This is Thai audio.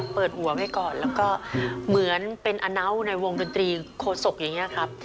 เปิดหัวไว้ก่อนแล้วก็เหมือนเป็นอเน้าในวงดนตรีโคศกอย่างนี้ครับ